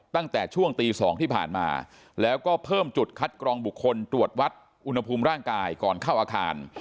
ตั้งแต่ช่วงตี๒ที่ผ่านมาแล้วก็เพิ่มจุดคัดกรองบุคคลตรวจวัดอุณหภูมิร่างกายก่อนเข้าอาคาร